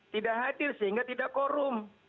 tidak hadir sehingga tidak korum